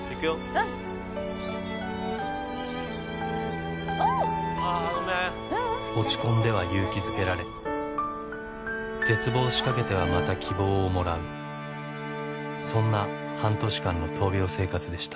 うんおぉっあーごめん落ち込んでは勇気づけられ絶望しかけてはまた希望をもらうそんな半年間の闘病生活でした